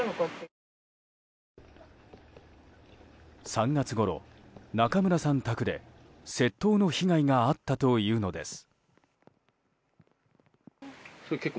３月ごろ、中村さん宅で窃盗の被害があったというのです。